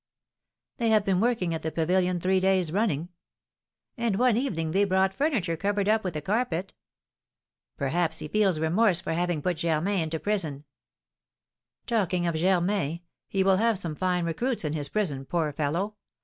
"They have been working at the pavilion three days running." "And one evening they brought furniture covered up with a carpet." "Perhaps he feels remorse for having put Germain into prison?" "Talking of Germain, he will have some fine recruits in his prison, poor fellow!